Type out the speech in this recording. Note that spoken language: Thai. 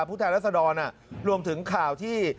ภูมิแทนรัศดรรณรวมถึงข่าวที่